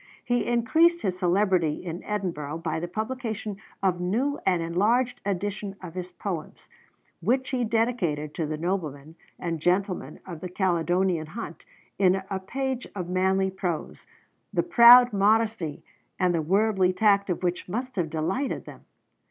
He increased his celebrity in Edinburgh by the publication of a new and enlarged edition of his Poems, which he dedicated to the noblemen and gentlemen of the Caledonian Hunt in a page of manly prose, the proud modesty and the worldly tact of which must have delighted them.